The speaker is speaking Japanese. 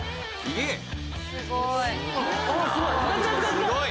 すごい！